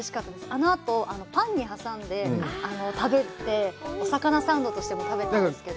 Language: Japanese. あの後、パンに挟んで食べて、お魚サンドとしても食べたんですけど。